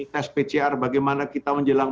tes pcr bagaimana kita menjelang